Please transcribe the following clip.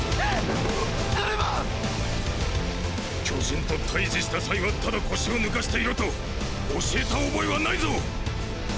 巨人と対峙した際はただ腰を抜かしていろと教えた覚えはないぞ！！